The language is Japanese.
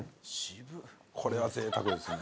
これはぜいたくですね。